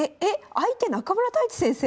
相手中村太地先生！